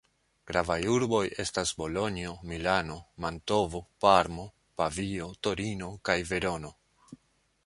Gravaj urboj estas Bolonjo, Milano, Mantovo, Parmo, Pavio, Torino kaj Verono.